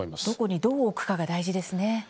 どこにどう置くか大事ですね。